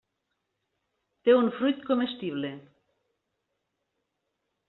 Té un fruit comestible.